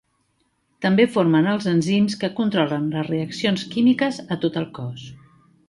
També formen els enzims que controlen les reaccions químiques a tot el cos.